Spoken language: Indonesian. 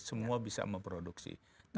semua bisa memproduksi